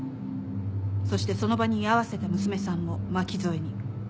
そしてその場に居合わせた娘さんも巻き添えに。